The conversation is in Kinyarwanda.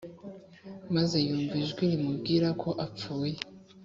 maze yumva ijwi rimubwira ko apfuye